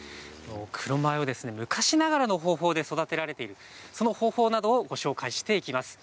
黒米を昔ながらの方法で育てられている、その方法などをご紹介していきます。